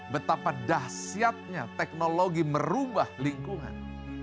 betapa dahsyatnya teknologi merubah lingkungan